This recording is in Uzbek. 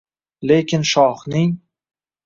Lekin shohning